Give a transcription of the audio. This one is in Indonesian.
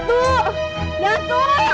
ini berapa banyak yang dibantu